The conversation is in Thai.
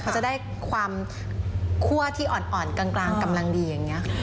เขาจะได้ความคั่วที่อ่อนกลางกำลังดีอย่างนี้